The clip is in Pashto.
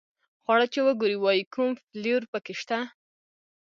خواړه چې وګوري وایي کوم فلېور په کې شته.